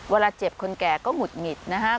เวลาเจ็บคนแก่ก็หงุดหงิดนะฮะ